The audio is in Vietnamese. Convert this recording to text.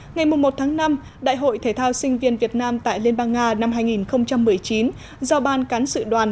ngày một tháng năm đại hội thể thao sinh viên việt nam tại liên bang nga năm hai nghìn một mươi chín do ban cán sự đoàn